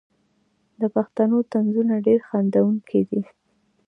د پښتنو طنزونه ډیر خندونکي دي.